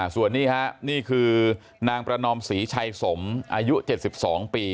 ส่วนนี้นี่คือนางประนอมศรีชัยสมอายุ๗๒ปี